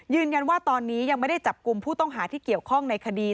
ยืนยันว่าตอนนี้ยังไม่ได้จับกลุ่มผู้ต้องหาที่เกี่ยวข้องในคดี